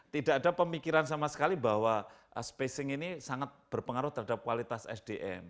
tidak ada pemikiran sama sekali bahwa spacing ini sangat berpengaruh terhadap kualitas sdm